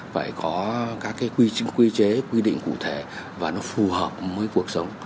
phải có các cái quy chế quy định cụ thể và nó phù hợp với cuộc sống